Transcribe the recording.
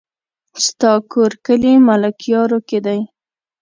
ستا کور کلي ملكيارو کې دی؟